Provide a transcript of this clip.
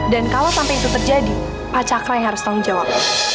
dan kalau sampai itu terjadi pak cakra yang harus tanggung jawab